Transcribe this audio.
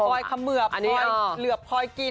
ปล่อยเขมือบปล่อยเหลือบปล่อยกิน